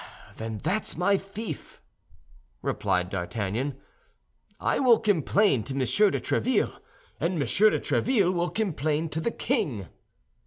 "Then that's my thief," replied D'Artagnan. "I will complain to Monsieur de Tréville, and Monsieur de Tréville will complain to the king."